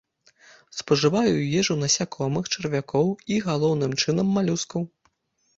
Спажывае ў ежу насякомых, чарвякоў і, галоўным чынам, малюскаў.